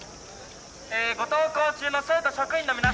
「えーご登校中の生徒職員の皆さま。